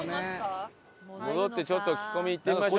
戻ってちょっと聞き込み行ってみましょう。